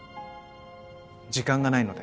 時間がないので。